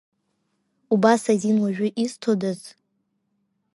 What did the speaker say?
Убас азин уажәы изҭодаз?!